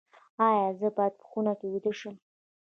ایا زه باید په خونه کې ویده شم؟